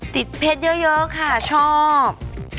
เพชรเยอะค่ะชอบ